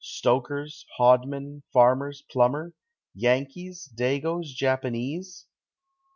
Stokers, hodmen, farmers, plumbers, Yankees, dagoes, Japanese?